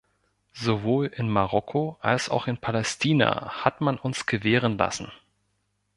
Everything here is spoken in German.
Sowohl in Marokko als auch in Palästina hat man uns gewähren lassen.